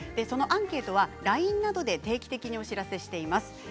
そのアンケートはＬＩＮＥなどで定期的にお知らせしています。